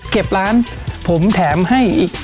เก็บร้านผมแถมให้เพิ่มอีก๓๒ไม้